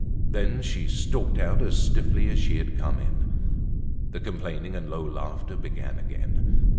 Then she stalked out as stiffly as she had come in. The complaining and low laughter began again.